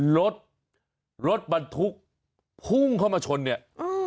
รถรถบรรทุกพุ่งเข้ามาชนเนี่ยเออ